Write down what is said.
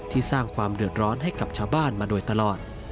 สร้างความเดือดร้อนให้กับชาวบ้านมาโดยตลอด